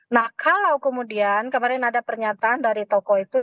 nah kalau kemudian kemarin ada pernyataan dari tokoh itu